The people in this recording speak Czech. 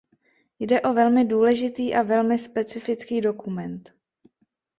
Jde o velmi důležitý a velmi specifický dokument.